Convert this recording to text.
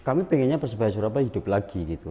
kami pengennya persebaya surabaya hidup lagi gitu